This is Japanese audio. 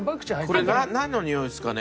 これなんのにおいですかね？